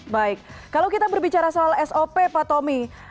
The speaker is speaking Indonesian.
baik kalau kita berbicara soal sop pak tommy